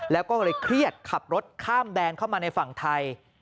แล้วก็เลยเครียดขับรถข้ามแดนเข้ามาในฝั่งไทย